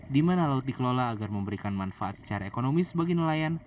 di mana laut dikelola agar memberikan manfaat secara ekonomis bagi nelayan